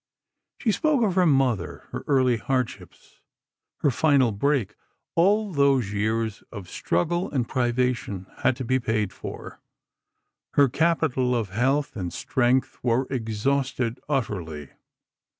She spoke of her mother, her early hardships, her final break. "All those years of struggle and privation had to be paid for; her capital of health and strength were exhausted, utterly."